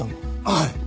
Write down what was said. はい。